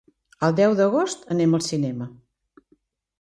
El deu d'agost anem al cinema.